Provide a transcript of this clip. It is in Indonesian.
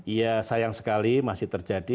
iya sayang sekali masih terjadi